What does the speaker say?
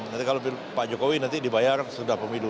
nanti kalau pak jokowi nanti dibayar sudah pemilu